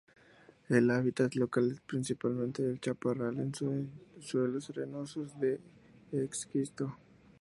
El hábitat local es principalmente el chaparral en suelos arenosos de esquisto.